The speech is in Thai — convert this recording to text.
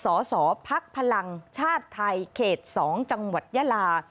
สสพักพลังชาติไทยเขต๒จังหวัดยาลา